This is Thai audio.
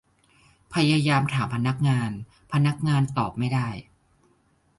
พยายามถามพนักงาน พนักงานตอบไม่ได้